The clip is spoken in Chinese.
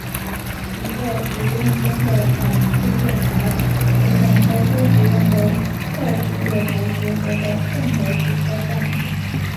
一个使用中的岛式月台与两个不使用的侧式月台结合的混合式车站。